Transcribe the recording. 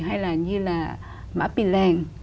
hay là như là mã pì lèng